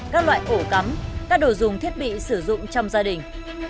các loại ổ cắm các đồ dùng thiết bị sử dụng trong gia đình